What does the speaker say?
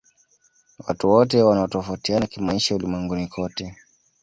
watu wote wanatofautiana kimaisha ulimwenguni kote